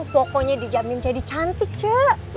pokoknya dijamin jadi cantik coba